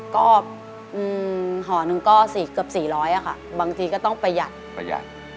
ก็ห่อนึงก็เกือบ๔๐๐บาทค่ะบางทีก็ต้องประหยัด